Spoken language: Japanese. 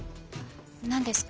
何ですか？